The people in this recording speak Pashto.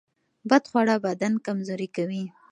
بد خواړه بدن کمزوری کوي.